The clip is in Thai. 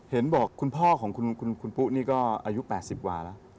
เห็นบอกคุณพ่อของคุณปุ๊นี่ก็อายุ๘๐กว่าแล้ว